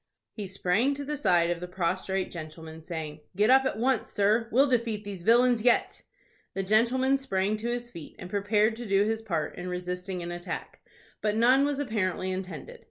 He sprang to the side of the prostrate gentleman, saying, "Get up at once, sir. We'll defeat these villains yet." The gentleman sprang to his feet, and prepared to do his part in resisting an attack; but none was apparently intended.